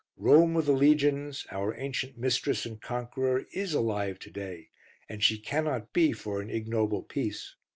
Rome of the legions, our ancient mistress and conqueror, is alive to day, and she cannot be for an ignoble peace.